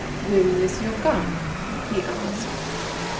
"Will monsieur come?" he asked.